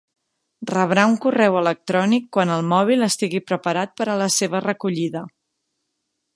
Rebrà un correu electrònic quan el mòbil estigui preparat per a la seva recollida.